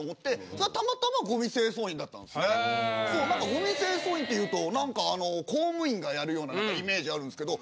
ごみ清掃員っていうと公務員がやるようなイメージあるんすけど。